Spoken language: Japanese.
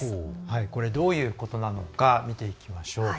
これはどういうことなのか見ていきましょう。